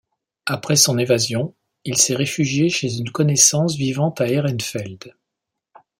Après son évasion, il s'est réfugié chez une connaissance vivant à Ehrenfeld.